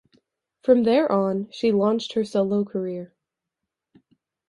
From there on, she launched her solo career.